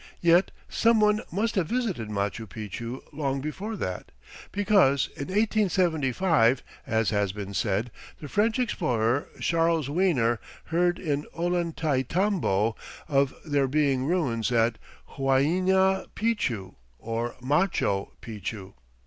Yet some one must have visited Machu Picchu long before that; because in 1875, as has been said, the French explorer Charles Wiener heard in Ollantaytambo of there being ruins at "Huaina Picchu or Matcho Picchu."